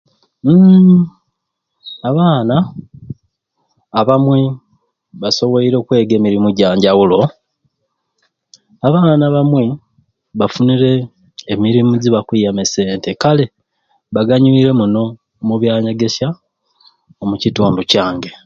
Mmm! Abaana abamwei basoboire okwega emirimu egyanjawulo abaana abamwei bafunire emirimu zibakwiyamu esente kale baganywire muno omu byanyegesya omu kitundu kyange.